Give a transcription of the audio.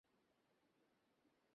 তাঁহার ভাল পোষাকের উপর ভারি ঝোঁক।